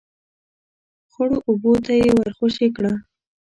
، خړو اوبو ته يې ور خوشی کړه.